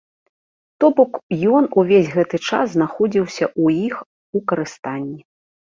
То бок ён увесь гэты час знаходзіўся ў іх у карыстанні.